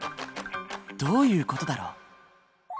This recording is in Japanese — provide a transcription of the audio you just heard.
どういう事だろう？